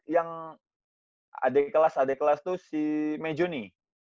yang adek kelas adek kelas tuh si meijoni